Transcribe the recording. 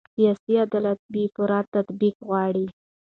سیاسي عدالت بې پرې تطبیق غواړي